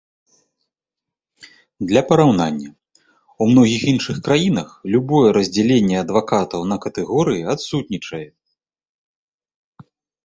Для параўнання, у многіх іншых краінах любое раздзяленне адвакатаў на катэгорыі адсутнічае.